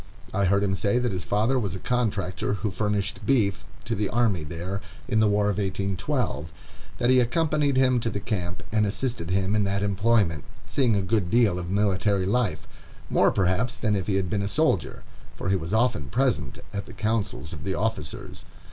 I heard him say that his father was a contractor who furnished beef to the army there, in the war of 1812; that he accompanied him to the camp, and assisted him in that employment, seeing a good deal of military life, more, perhaps, than if he had been a soldier, for he was often present at the councils of the officers.